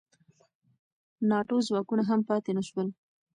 ناټو ځواکونه هم پاتې نه شول.